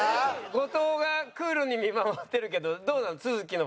後藤はクールに見守ってるけどどうなの？